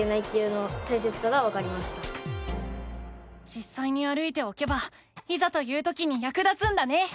じっさいに歩いておけばいざという時にやく立つんだね。